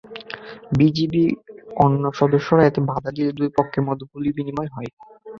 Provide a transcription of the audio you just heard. বিজিবির অন্য সদস্যরা এতে বাধা দিলে দুই পক্ষের মধ্যে গুলিবিনিময় হয়।